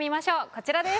こちらです。